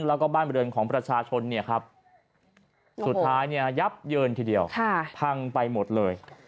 แล้วก็บ้านบริเวณของประชาชนสุดท้ายยับเยินทีเดียวพังไปหมดเลย